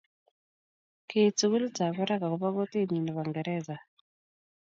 Kiit sukulit ab barak ak kobo kotee nyii ne bo ngeresa.